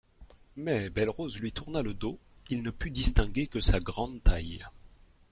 Mais Belle-Rose lui tourna le dos, il ne put distinguer que sa grande taille.